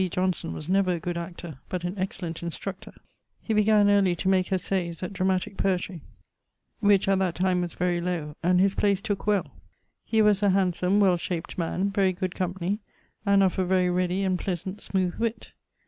Johnson was never a good actor, but an excellent instructor). He began early to make essayes at dramatique poetry, which at that time was very lowe; and his playes tooke well. He was a handsome, well shap't man: very good company, and of a very readie and pleasant smooth witt.